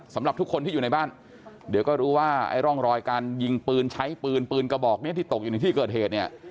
สำหรับทุกคนที่อยู่ในบ้านเดี๋ยวก็รู้ว่าไอ้ร่องรอยการยิงปืนใช้ปืนปืนกระบอกนี้ที่ตกอยู่ในที่เกิดเหตุเนี่ย